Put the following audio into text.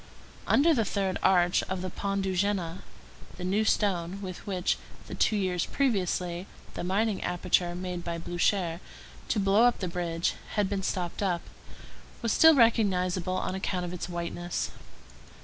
Under the third arch of the Pont de Jéna, the new stone with which, the two years previously, the mining aperture made by Blücher to blow up the bridge had been stopped up, was still recognizable on account of its whiteness.